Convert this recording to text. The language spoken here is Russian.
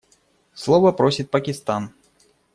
Слова просит Пакистан.